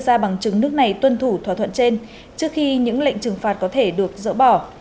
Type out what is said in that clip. ra bằng chứng nước này tuân thủ thỏa thuận trên trước khi những lệnh trừng phạt có thể được dỡ bỏ